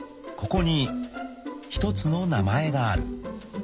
［ここに一つの名前がある］